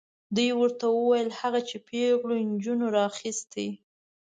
دوی ورته وویل هغه چې پیغلو نجونو راخیستې.